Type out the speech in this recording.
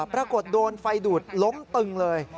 ปรากฏโดนไฟดูดล้มตึงเลย